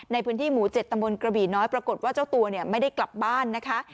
ในพื้นที่หมู่๗ตำบลกระบี่น้อยปรากฏว่าเจ้าตัวไม่ได้กลับบ้านนะคะ